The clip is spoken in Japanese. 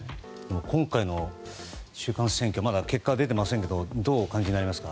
今回の中間選挙まだ結果は出ていませんけどどうお感じになりますか？